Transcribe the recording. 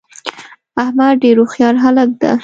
احمدډیرهوښیارهلک ده